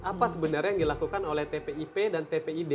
apa sebenarnya yang dilakukan oleh tpip dan tpid